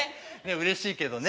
うれしいけどね。